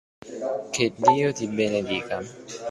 Che Dio ti benedica.